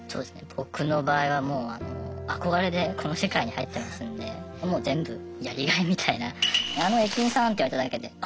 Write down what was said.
僕の場合は憧れでこの世界に入ってますのでもう全部やりがいみたいな「駅員さん」って言われただけであ